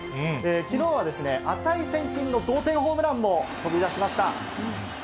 きのうは値千金の同点ホームランも飛び出しました。